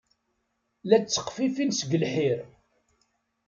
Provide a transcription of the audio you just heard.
La tteqfifin seg lḥir.